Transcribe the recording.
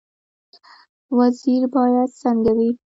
وزیر باید څنګه وي؟